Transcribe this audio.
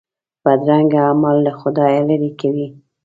بدرنګه اعمال له خدایه لیرې کوي